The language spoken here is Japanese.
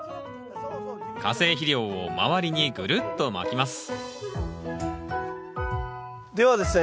化成肥料を周りにぐるっとまきますではですね